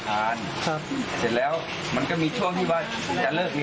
คนนั้นสงสารกับคุยความมั่นคลุ้ม